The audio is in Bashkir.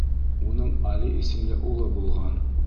Уның Али исемле улы булған.